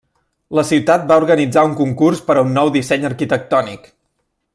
La ciutat va organitzar un concurs per a un nou disseny arquitectònic.